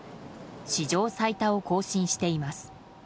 史上最多を更新しています。